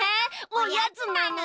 おやつなのに？